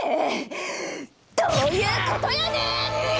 どういうことやねん！